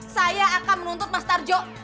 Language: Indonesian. saya akan menuntut mas tarjo